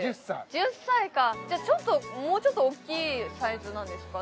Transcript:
１０歳かじゃあもうちょっと大きいサイズなんですかね